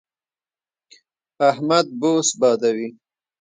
احمد بوس بادوي.